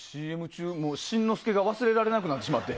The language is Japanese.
ＣＭ中、新之助が忘れられなくなってしまって。